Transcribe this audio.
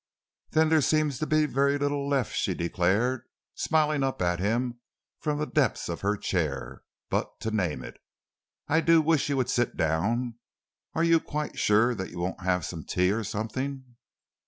"Then there seems to be very little left," she declared, smiling up at him from the depths of her chair, "but to name it. I do wish you would sit down, and are you quite sure that you won't have some tea or something?"